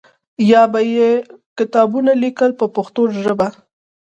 یا به یې کتابونه لیکل په پښتو ژبه.